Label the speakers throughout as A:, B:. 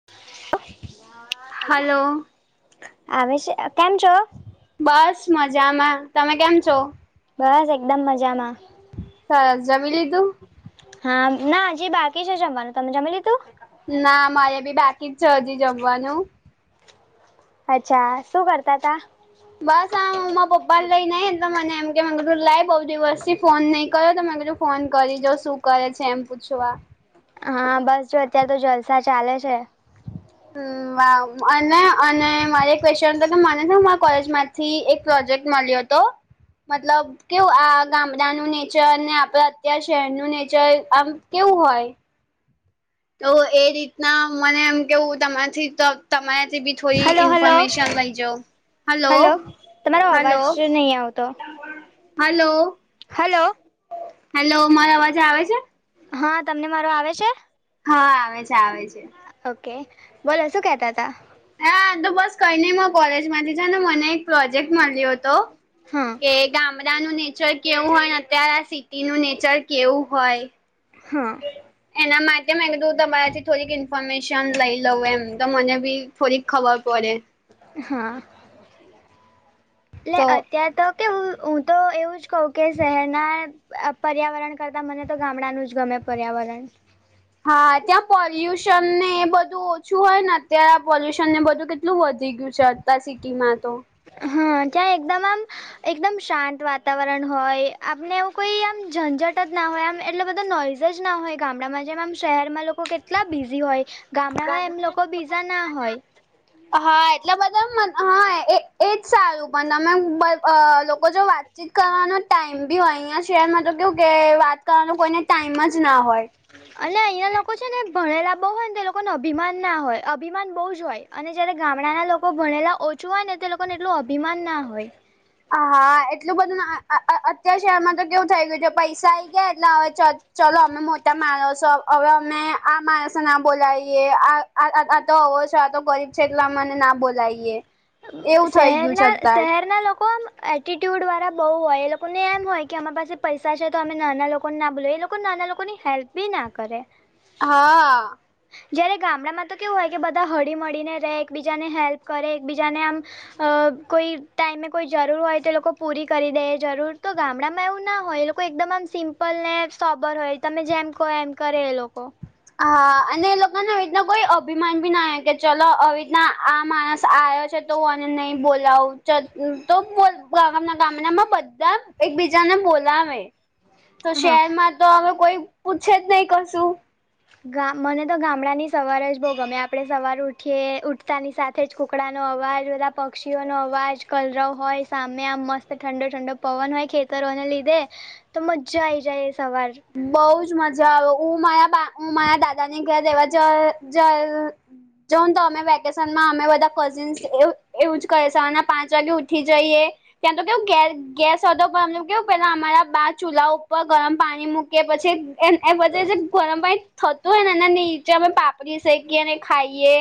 A: [inaudible]
B: Hello.
A: આવે છે કેમ છો?
B: બસ મજામાં તમે કેમ છો?
A: બસ એકદમ મજામાં
B: સર જમી લીધું
A: હા ના હજી બાકી છે જમવાનું તમે જમી લીધું
B: ના મારે બી બાકી જ છે હજી જમવાનું
A: અચ્છા શું કરતા હતા.
B: બસ આ માર પપ્પા લઈ ન આઈ તો મને એમ કે કધું લાઈ બઉ દિવસ થી ફોન નઈ કર્યો તો મે કધું ફોન કરી જો શું કરે છે એમ પૂછવા
A: હા બસ જો અત્યારે તો જલસા ચાલે છે
B: હમ્મ વાઉ અને અને મારે એક ક્વેશચન હતો મને હે મારી કોલેજમાં થી એક પ્રોજેક્ટ મળ્યો હતો મતલબ કેવું આ ગામડાનું નેચર અને આપડે અત્યારે શહેરનું નેચર આમ કેવું હોય તો એ રીતના મને એમ કેવું તમારીથી તો તમારાથી બી થોડી
A: હલો હલો
B: ઇન્ફોર્મેશન લઈજો હલો
A: તમારો અવાજ
B: હલો
A: નહીં આવતો
B: હલો
A: હલો
B: હેલો મારો અવાજે આવે છે
A: હા તમને મારો આવે છે
B: હા આવે છે આવે છે
A: ઓકે બોલો શું કેતા હતા
B: હા તો બસ કઈ નઈ માર કોલેજમાંથી જ ને મને એક પ્રોજેક્ટ મળ્યો હતો
A: હા
B: કે ગામડાનું નેચર કેવું હોય અત્યારે સિટીનું નેચર કેવું હોય
A: હા.
B: એમ. એના માટે મેં કીધું તમારાથી થોડીક ઇન્ફોર્મેશન લઈ લઉં એમ તો મને બી થોડીક ખબર પડે.
A: હા એટલે
B: તો
A: અત્યારે તો તે હું-હું તો એવું જ કહું કે શહેરના આપ પર્યાવરણ કરતા મને તો ગામડાનું જ ગમે પર્યાવરણ.
B: હા ત્યાં પોલ્યુશન ને એ બધું ઓછું હોય ને અત્યારે આ પોલ્યુશન ને બધું કેટલું વધી ગયું છે. તા સી કી મા તો
A: હા ત્યાં એકદમ આમ એકદમ શાંત વાતાવરણ હોય આપને એવું કોઈ આમ ઝંઝટ જ ના હોય આમ એટલો બધો નોઈઝ જ ના હોય ગામડામાં જેમ આમ શહેરમાં લોકો કેટલા બિઝી હોય. ગામડામાં એમ લોકો બીજા ના હોય.
B: હ હા એટલે બધા મ હા એ એજ સારું પણ તમે [unintelligible] લોકો જો વાત ચીત કરવાનો ટાઈમ બી હોય અહિયાં શેર માં તો કેવું કે વાત કરવાનો કોઈને ટાઈમ જ ના હોય.
A: અને અહીંયા લોકો છે ને ભણેલા બહુ હોય ને તે લોકો ન અભિમાન ના હોય અભિમાન બહુ જ હોય. અને જયારે ગામડાના લોકો ભણેલા ઓછું હોય ને તે લોકોને એટલું અભિમાન ના હોય.
B: હ હા એટલું બધું આ આ આ અત્યાર શહેરમાં તો કેવું થઈ ગયું છે પૈસા આઈ ગયા એટલે અછત ચલો અમે મોટા માણસો હવે અમે આ માણસો ના બોલાવીએ આ આ આ આ તો આવવો છે આ તો ગરીબ છે એટલા મને ના બોલાવીએ.
A: હઉ
B: એવું થઈ ગયું છે
A: શહેરના
B: અત્યારે
A: શહેરના લોકો આમ એટિટ્યૂડવાળા બહુ હોય એ લોકોને એમ હોય કે અમારા પાસે પૈસા છે તો અમે નાના લોકોને ના ભૂલ એ લોકો નાના લોકોની હેલ્પ બી ના કરે
B: હા.
A: જયારે ગામડામાં તો કેવું હોય કે બધા હળી મળીને રહે એકબીજાને હેલ્પ કરે એકબીજાને આમ અ કોઈ ટાઈમે કોઈ જરૂર હોય તો લોકો પૂરી કરી દે જરૂર તો ગામડામાં એવું ના હોય લોકો કોઈ એકદમ આમ સિમ્પલને સોબર હોય તમે જેમ કહો એમ કરે એ લોકો
B: હા અને એ લોકોને આવી રીતના કોઈ અભિમાન ભી ના આવ કે ચલો આવી રીતના આ માણસ આવ્યો છે. તો હું આને નહી બોલાવું ચલ તો ઉમ બોલ ગામના ગામડામાં બધા એકબીજાને બોલાવે તો
A: હા
B: શહેરમાં તો હવે કોઈ પૂછે જ નહી કસુ.
A: ગામ મને તો ગામડા ની સવાર જ બઉ ગમે આપડે સવાર ઉઠીએ ઉઠતાની સાથે થતે જ કુકડાનો અવાજ બધા પક્ષીઓનો અવાજ કલરવ હોય સામે આમ મસ્ત ઠંડો ઠંડો પવન હોય ખેતરોને લીધે તો મજા આઈ જાય એ સવાર
B: બઉજ મજા આવે હું મારા બા હુ મારા દાદા ને ઘેર રહેવા જ જય જાવ ને તો અમે વેકેશનમાં અમે બધા કઝિનસ એવું એવુજ કયી સવારના પાંચ વાગે ઉઠી જઈએ ત્યાં તો કેવું ગેસ ગેસ હતો પન કેવું પેલા અમારા બા ચૂલા ઉપર ગરમ પાણી મુકી કે પછી એન એને વચ્ચે જે જ ગરમ પાણી થતું તો એનેના નીચે અમે પાપડી શેકીએને ખાઈએ.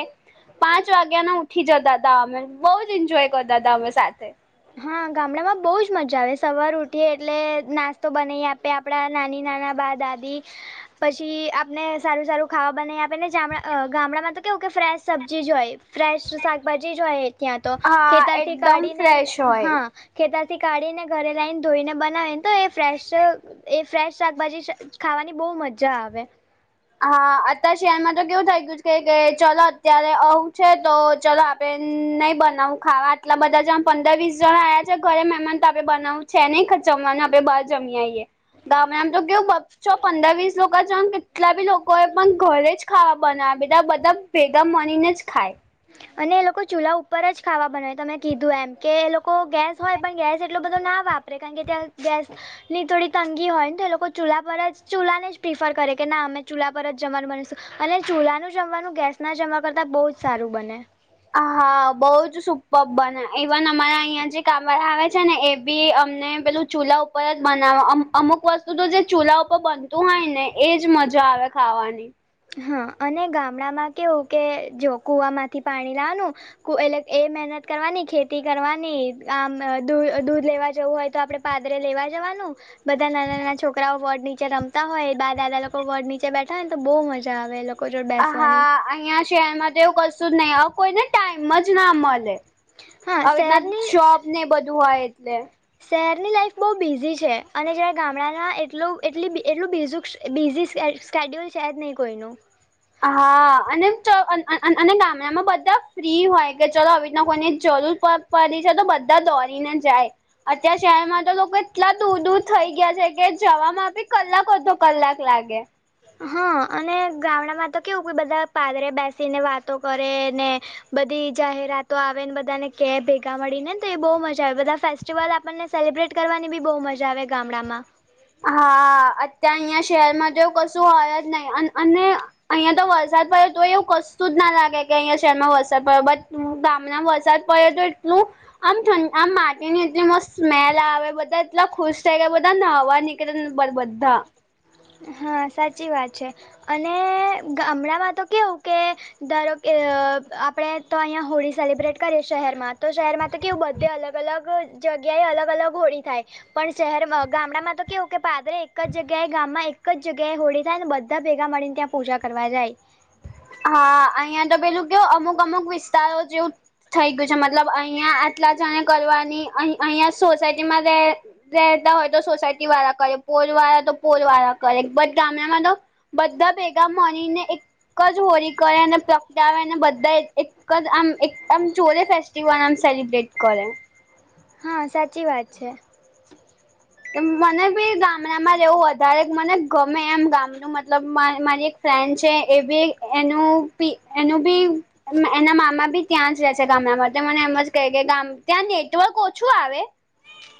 B: પાંચ વાગ્યા ના ઉઠી જતા હતા અમે બઉ જ એન્જોય કરતા હતાા અમે સાથે.
A: હા ગામડા માં બહુજ મજા આવે સવાર ઉઠીએ એટલે નાસ્તો બનાવી આપે. પે આપણા નાની નાના બા દાદી પછી આપને સારું સારું ખાવા બનાવી આપેને જામડા ગામડામાં તો કેવું કે ફ્રેશ સબ્જી જ હોય. ફ્રેશ શાકભાજી જોઈ ત્યાં તો
B: હા
A: ખેતરથી
B: એકદમ
A: કાઢીને
B: ફ્રેશ
A: લ
B: હોય
A: હા ખેતરથી કાઢીને ઘરે લઈને ધોઈને બનાવેને તો એ ફ્રેશ એ ફ્રેશ શાકભાજી સ ખાવાની બહુ મજા આવે.
B: હા અત્યારે શહેરમાં તો કેવું થઈ ગયું છે કે કે ચાલ અત્યારે આવું છે તો ચાલ આપ આપ નહી બનાવું ખાવા આટલા બધા જણ પંદર વીસ જણા આયા છે ઘરે મહેમાન તો આપણે બનાવું છે ને [unintelligible] આપણે બાર જમી આયે ગામડામાં જો કેવુ બચો પંદર વીસ લોકો ચાન કોઈ પન ઘરે જ ખાવા બનાવે બેટા બધા ભેગા મળીને જ ખાય
A: અને એ લોકો ચૂલા ઉપર જ ખાવા બનાવે તમે કીધું એમ કે એ લોકો ગેસ હોય પણ ગેસ એટલો બધો ના વાપ રે કારણ ત્યાં ગેસ ની થોડી તંગી હોય તો એ લોકો ચૂલા પર જ ચૂલા ને જ પ્રિફર કરે કે ના અમે ચૂલા પર જ જમવાનું બનીશું અને ચૂલાનું જમવાનું ગેસ ના જમવા કરતા બોજ સારું બને
B: અ હા બોવ જ સુપર બને ઇવન અમારા અયા જે કામ વાલા આવે છે ને એ બી અમને પેલું ચૂલા ઉપર જ બનાવે અમુક અમુક વસ્તુ તો જે ચૂલા ઉપર બનતું હોય ને એજ મજા આવે ખાવાની
A: હ અને ગામડામાં કેવું કે જો કુવામાંથી પાણી લાવનું કૂ એલે એ મેહનત કરવાની ખેતી કરવાની આમ દુ દૂધ લેવા જવું હોય તો આપડે પાદરે લેવા જવાનું બધા નાના નાના છોકરાઓ વડ નીચે રમતા હોય દાદાલા લોકો વડ નીચે બેઠા હોય ને તો બો મજા જા આવે એ લોક
B: અ હા અહિયાં શહેરમાં તો એવું કશું જ નઇ હઉ કોઈને ટાઈમ જ ના મલે
A: હા
B: આવીતના
A: શહેરની
B: જોબ ને બધું હોય એટલે
A: શહેરની લાઈફ બોવ બીઝી છે અને જ્યારે ગામડાના એટલું એટલી બી એટલું બીઝું બિઝી સ્કે સ્કેડ્યુલ છે જ નઈ કોઇનું
B: હા અને ચ અન અને ગામડામાં બધા ફ્રી હોય કે ચલો આવી રીતના કોઈને જરૂર પ પડી છે તો બધા દોરીને જાય અત્યારે શહેરમાં તો લોકો એટલા દૂર દૂર થઈ ગયા છે કે જવામાં બી કલાક અધો કલાક લાગે
A: હા અને ગામડામાં તો કેવું કે બધા પાદરે બેસીને વાતો કરે ને બધી જાહેરાતો આવે ને બધાને કે ભેગા મળીને તો એ બો મજા આવે બધા ફેસ ચીવલ આપણને સેલિબ્રેટ કરવાની બી બોવ મજા આવે ગામડામાં
B: હા અત્યા અઈયા શહેરમાં તો એવું કશું હોય જ નહી અન અને અઈયાં તો વરસાદ પડે તોય એવું કશું જ ના લાગે કે અઈયા શહેરમાં વરસાદ પડ્યો બટ ગામના વરસાદ પયે તો એટલું આમ થન આમ માટીની એટલી મસ્ત સ્મેલ આવે બધા એટલા ખુશ થઈ ગયા બધા નાવા નીક કેતતન પન બધા
A: હા સાચી વાત છે અને ગામડાંમાં તો કેવું કે ધારો કે અ આપડે તો અઈયા હોળી સેલિબ્રેટ કરીએ શહેરમાં તો શહેરમાં તો કેવું બધે અલગ અલગ જગ્યાએ અલગ અલગ હોળી થાય પણ શહેરમાં ગામડામાં તો કેવું કે પાદરે એક જ જગ્યાએ ગામમાં એક કજ જગ્યાએ હોળી થાય ને બધા ભેગા મળીને ત્યાં પૂજા કરવા જાય.
B: હા અઈયાં તો પેલું કેવુ અમુક અમુક વિસ્તારો જેવું થઈ ગયું છે મતલબ અઇયાં આટલા જણે કરવાની અહ અહિયા સોસાયટી માં તે રહેતા હોય તો સોસાયટી વાળા કયે પોલ વાળા તો પોલ વાળા કયે બટ ગામડામાં તો બધા ભેગા મળીને એક જ હોલી કરેને પ્રગડાવે ને બધા એક કજ આમ એક આમ ચોલે ફેસ્ટિવલ આમ સેલિબ્રેટ કરે.
A: હા સાચી વાત છે.
B: તેમ મને બી ગામડામાં રેવું વધારે મને ગમે એમ ગામનું મતલબ મા મારી એક ફ્રેન્ડ છે એ બી એનુ બી એનું બી એમ એના મામા બી ત્યાં જ રે છે ગામડામા તે મને એમ જ કહે કે ગામ ત્યાં નેટવર્ક ઓછું આવે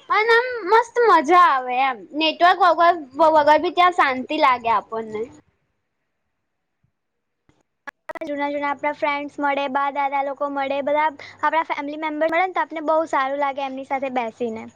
B: પન આમ મ સ્ત મજા આવે એમ નેટવર્ક વગર વગર બી ત્યાં શાંતિ લાગે આપણને
A: જૂના જૂના આપડા ફ્રેન્ડ્સ મળે બા દાદા લોકો મળે બધા આપડા ફેમિલી મેમ્બર મળે તો આપને બોવ સારું લાગે એમની સાથે બેસીને.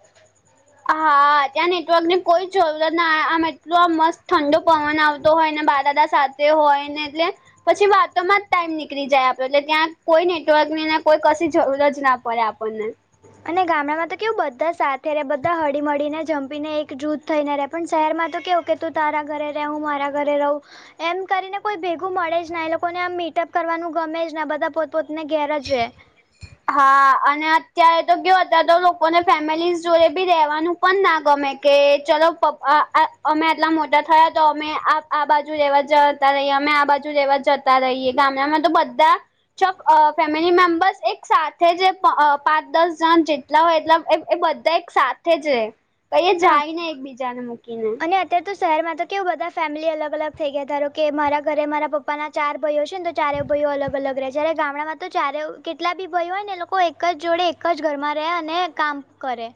B: હા ત્યાં નેટવર્ક ની કોઈ જરૂરતના આમ એટલો આ મસ્ત ઠંડો પવન આવતો હોય ને બારાદ સાથે હોય ને એટલે પછી વાતોમાં જ ટાઈમ નીકળી જાય આપડ એટલે ત્યાં કોઈ નેટવર્ક ને કોઈ ક જરૂર જ ના પડે. [inaudible]
A: અને ગામડામાં તો કેવું બધા સાથે રે બધા હળીમળીને જમપીને એક જૂથ થઈને પણ શહેરમાં તો કેવું કે તું તારા ઘરે રહે હું મારા ઘરે રહું એમ કરીને કોઈ ભેગું મળે જ ને એ લોકોને આમ મીટઅપ કરવાનું ગમે જ બધા પોતા પોતના ઘેર જ રે.
B: હા અને અત્યારે તો કેવા દાદા લોકોને તો ફેમિલી જોડે રેવાનું પણ ના ગમે કે ચલો પપ્પા અમે આટલા મોટા થયા તો અમે આ આ બાજુ લેવા જતા રહીએ અમે આ બાજુ લેવા જતા રહીએ ગામડામાં તો બધા ચપ અ ફેમિલી મેમ્બર્સ એક સાથે જે પાંચ દસ જણ જેટલા હોય એટલા એ બધા એક સાથે સાથે જ રે જાય ને એકબીજાને મૂકીને
A: અત તો શહેરમાં તો કેવું બધા ફેમિલી અલગ અલગ થઈ ગયા ધારો કે મારા ઘરે મારા પપ્પાના ચાર ભાઈઓ છે ને તો ચારે ભાઈઓ અલગ અલગ રહે જ્યારે ગામડામાં તો ચારે કેટલા બી ભાઈઓ હોય ને લોકો એક એક જ જોડે એક જ ઘરમાં રહે અને કામ કરે.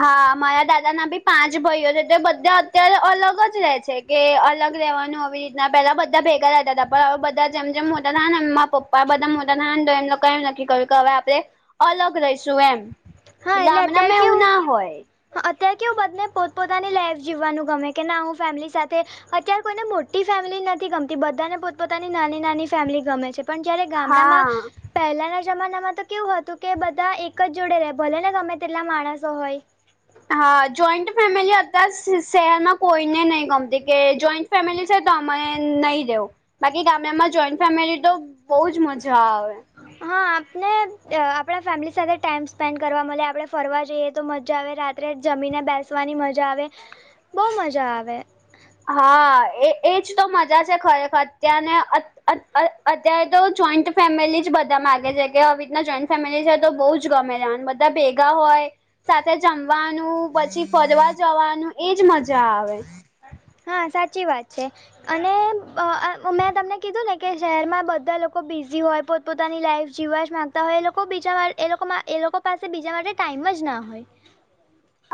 B: હા મારા દાદાના બી પાંચ ભાઈઓ છે તે બધા અત્યારે અલગ જ રહે છે. કે અલગ રહેવાનું આવી રીતના પેલા બધા ભેગા રહેતા હતા પણ હવે બધા જેમ જેમ હતા ને એમ પપ્પા આ બધા મોટા નનંદ હોય એમ લોકો એમ નક્કી કર્યું કે હવે આપડે અલગ રહીશું એમ
A: હા
B: એટલે
A: અત્યારે
B: આમનામાં એવું ના
A: કેવું
B: હોય
A: અત્યારે કે હું બધને પોત પોતાની લાઈફ જીવવાનું ગમે કે ના હું ફેમિલી સાથે અત્યારે કોઈને મોટી ફેમિલી નથી ગમતી પોતપોતાની નાની નાની ગમે છે પણ જયારે ગામડામાં
B: હા
A: પહેલાના જમાનામાં તો કેવું હતું કે બધા એક જ જોડે ભલે ને ગમે તેટલા માણસો હોય
B: હા જોઈન્ટ ફેમિલી અત્યારે શહેરમાં કોઈને નહી ગમતી કે જોઈન્ટ ફેમિલી સે તો અમે નહીં દવ બાકી ગામડામાં જોઈન્ટ ફેમિલી તો બહુ જ મજા આવે
A: હા આપને આપણા ફેમિલી સાથે ટાઈમ સ્પેન્ડ કરવા મળે આપણે ફરવા જઈએ તો મજા આવે રાત રાત્રે જમીને બેસવાની મજા આવે બહુ મજા આવે-
B: હા એ એજ તો મજા છે ખરેખર અત્યારને અત્યારે તો જોઈન્ટ ફેમિલી જ બધા મામાંગે છે કે આવી રીતના જોઈન્ટ ફેમિલી છે તો બહુ જ ગમે ત બધા ભેગા હોય સાથે જમવાનું પછી ફરવા જવાનું એજ મજા આવે
A: હા સાચી વાત છે. અને મેં તમને કીધું ને કે શહેરમાં બધા લોકો બિઝી હોય પોતાની લાઈફ જીવવા જ માગતા હોય એ લોકો બીજા એ લોકોમાં એ લોકો પાસે બીજા માટે ટાઈમ જ ના હોય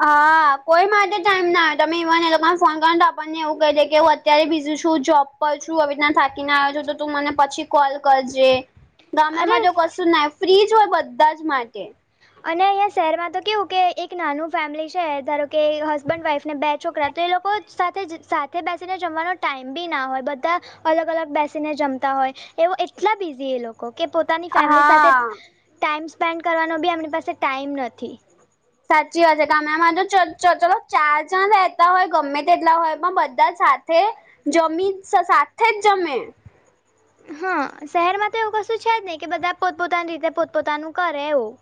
B: હા કોઈ માટે ટાઈમના આવે્યો [unintelligible] તમે ઇવન એ લોકોને ફોન કરો તો આપણને એવું કહી દે કે હું અત્યારે બીજું છું જોબ પછું આવી રીતના થાકીને આવે છે તો તું મને પછી કોલ કરજે
A: અરે
B: ગામમાં તો કશું ના ફ્રીજ હોય બધા જ માટે
A: અને અહીંયા શહેરમાં તો કેવું કે એક નાનું ફેમિલી છે ધારો કે હસબન્ડ વાઇફને બે છોકરા તો એ લોકો સાથે સાથે બેસીને જમવાનો ટાઈમ બી ના હોય બધા અલગ અલગ બેસીને જમતા હોય એવો એટલા બીઝી એ લોકો કે પોતે પોતાની ફેમિલી સાથે
B: હા
A: ટાઈમ સ્પેન્ડ કરવાનો બી એમની પાસે ટાઈમ નથી-
B: સાચી વાત છે ગામડામાં જો ચલો ચાર જણ રહેતા હોય ગમે તેટલા હોય પણ બધા સાથે જમી સાથે જ જમે
A: હા શહેરમાં તો એવું કશું છે જ હી કે બધા પોતપોતાની રીતે પોતપોતાનું કરે એવું.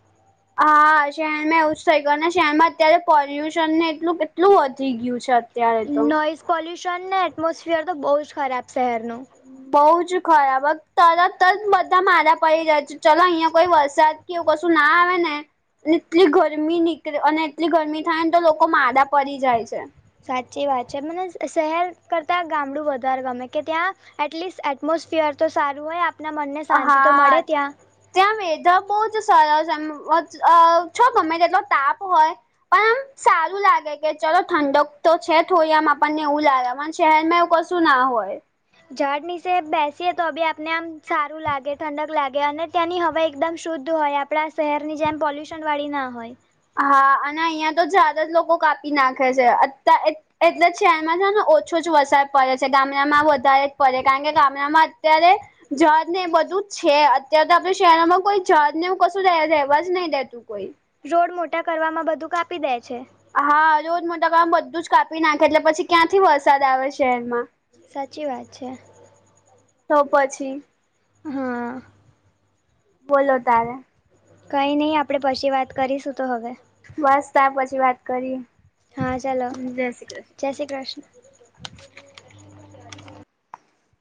B: હા શહેરમાં એવું જ થઇ ગયું ને શહેરમાં અત્યારે પોલ્યુશન ને એટલું એટલું વધી ગયું છે. અત્યારે તો
A: પોલ્યુશનને એટમોસફિયર તો બહુ જ ખરાબ શહેરનું
B: બહ જ ખરાબ હ તરત જ બધા મારાા પડી જ્યા છે ચલો અહિયાં કોઈ વરસાદ એવું કશું ના આવે ને એટલી ગરમી નીકળે અને એટલી ગરમી થાય ને તો લોકો માદા પરી જાય છે.
A: સાચી વાત છે મને શહેર કરતાં ગામડું વધારે ગમે કે ત્યાં એટલીસ્ટ એટમોસફિયર તો સારું હોય આપના મનને શાંતિ તો
B: હા..
A: મળે ત્યાં
B: ત્યાં [inaudible] બહુ જ સરસ એમ વધ છો ગમે તેટલો તાપ હોય પણ આમ સારું લાગે કે ચલો ઠંડક તો છે થોડી આમ આપણને એવું લાગે શહેરમાં એવું કશું શું ના હોય.
A: ઝાળ નીચે બેસીએ તો બી આપને આમ સારું લાગે ઠંડક લાગે અને ત્યાંની હવા એકદમ શુદ્ધ હોય આપ આપણા શહેરની જેમ પોલ્યુશનવાળી ના હોય.
B: હા અને અહિયાં તો ઝાડ જ લોકો કાપી નાખે છે અ એટલે જ શહેરમાં છે ને ઓછો જ વરસાદ પડે છે ગામડામાં વધારે જ પડે કારણ કે ગામડામાં અત્યારે ઝાળને એ બધું જ છે અત્યારે તો આપડે શહેરમાં કોઈ ઝાળને એવું કશું રહેવા જ નઈ દેત તું કોઈ
A: રોડ મોટા કરવામાં બધું કાપી દે છે.
B: હા રોડ મોટા કરવામાં બધું જ કાપી નાખે એટલે પછી ક્યાંથી વરસાદ આવે શહેરમાં
A: સાચી વાત છે.
B: તો પછી
A: હા.
B: બોલો તારે.
A: કઈ ની આપણે પછી વાત કરીશું તો હવે.
B: બસ તા પછી વાત કરીએ.
A: હા ચલો
B: જય શ્રી કૃષ્ણ
A: જય શ્રી કૃષ્ણ.